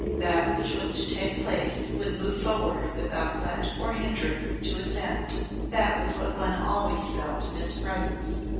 That which was to take place would move forward without let or hindrance to its end. That was what one always felt in his presence.